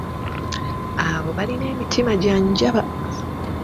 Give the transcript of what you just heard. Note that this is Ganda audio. Abo balina emitima gya njaba.